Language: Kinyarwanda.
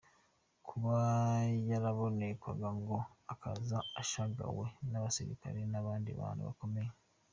Kuba yarabonekerwaga ngo akaza ashagawe n'abasilikari n'abandi bantu bakomeye.